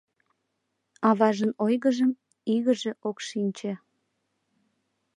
Аважын ойгыжым игыже ок шинче.